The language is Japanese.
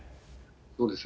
そうです。